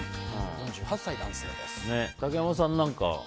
４８歳、男性です。